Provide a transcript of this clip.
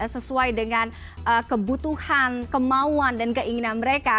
sesuai dengan kebutuhan kemauan dan keinginan mereka